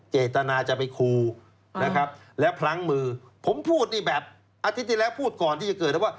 เจตนาจะไปคูนะครับแล้วพลั้งมือผมพูดนี่แบบอาทิตย์ที่แล้วพูดก่อนที่จะเกิดว่า